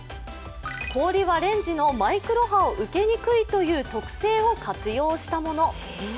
氷はレンジのマイクロ波を受けにくいという特性を活用したもの。